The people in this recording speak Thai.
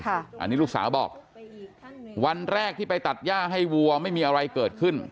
อันนี้ลูกสาวบอกวันแรกที่ไปตัดย่าให้วัวไม่มีอะไรเกิดขึ้น